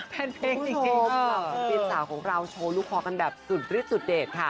แฟนเพลงจริงค่ะคุณผู้ชมปีนสาวของเราโชว์ลูกคล้องกันแบบสุดริดสุดเด็ดค่ะ